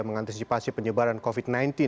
mengantisipasi penyebaran covid sembilan belas